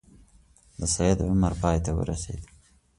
د سید عمر پای ته ورسېد.